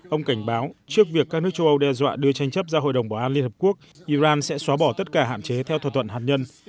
ông cảnh báo trước việc các nước châu âu đe dọa đưa tranh chấp ra hội đồng bảo an liên hợp quốc iran sẽ xóa bỏ tất cả hạn chế theo thỏa thuận hạt nhân